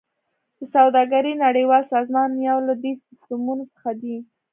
د سوداګرۍ نړیوال سازمان یو له دې سیستمونو څخه دی